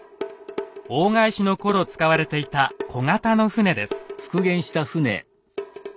大返しの頃使われていた小型の船です。